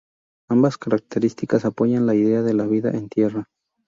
Ambas características apoyan la idea de la vida en tierra.